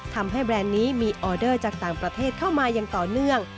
แบรนด์นี้มีออเดอร์จากต่างประเทศเข้ามาอย่างต่อเนื่อง